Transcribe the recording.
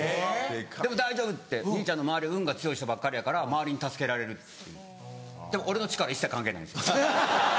「でも大丈夫兄ちゃんの周りは運が強い人ばっかりやから周りに助けられる」でも俺の力一切関係ないんです。